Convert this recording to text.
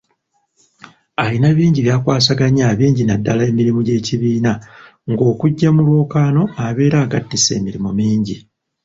Alina bingi by'akwasaganya bingi naddala emirimu gy'ekibiina ng'okujja mu lwokaano abeera agattise emirimu mingi.